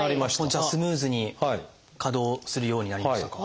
じゃあスムーズに稼働するようになりましたか？